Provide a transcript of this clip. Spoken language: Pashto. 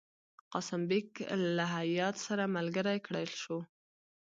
قاسم بیګ له هیات سره ملګری کړل شو.